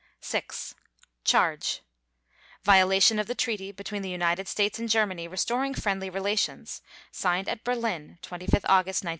VI CHARGE: _Violation of the Treaty between the United States and Germany Restoring Friendly Relations, signed at Berlin, 25 August 1921.